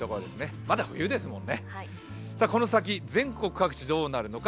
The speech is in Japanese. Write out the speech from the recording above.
まだ冬ですもんね。